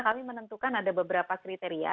kami menentukan ada beberapa kriteria